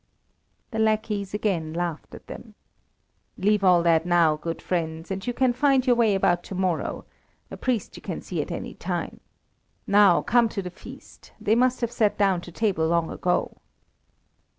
The lackeys again laughed at them. "Leave all that now, good friends, you can find your way about to morrow; a priest you can see at any time. Now come to the feast; they must have sat down to table long ago."